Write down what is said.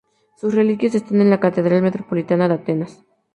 Sus reliquias están en la Catedral Metropolitana de Atenas.